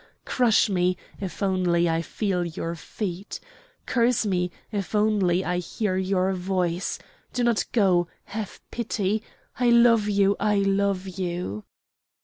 Crush me, if only I feel your feet! curse me, if only I hear your voice! Do not go! have pity! I love you! I love you!"